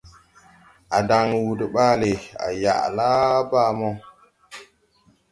A dan wuu dè ɓaale, à yaʼla baa mo.